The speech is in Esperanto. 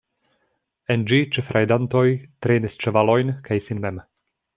En ĝi ĉefe rajdantoj trejnis ĉevalojn kaj sin mem.